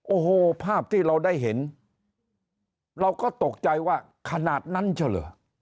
โอ้โหภาพที่เราได้เห็นเราก็ตกใจว่าขนาดนั้นเฉลอ